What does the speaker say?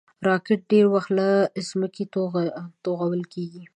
راکټ ډېری وخت له ځمکې توغول کېږي